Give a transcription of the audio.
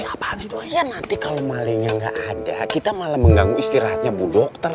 apaan sih doa ya nanti kalau malenya nggak ada kita malah mengganggu istirahatnya bu dokter